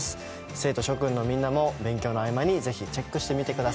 生徒諸クンのみんなも勉強の合間にぜひチェックしてみてください。